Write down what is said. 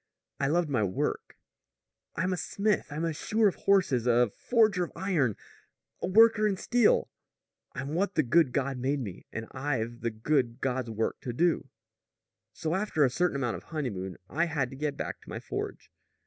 I loved my work. I'm a smith. I'm a shoer of horses, a forger of iron, a worker in steel. I'm what the good God made me, and I've the good God's work to do! "So after a certain amount of honeymoon I had to get back to my forge.